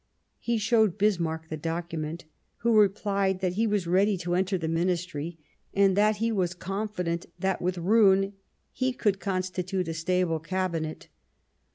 He showed Bismarck the document, who replied that he was ready to enter the Ministry, and that he was confident that with Roon he could constitute a stable Cabinet.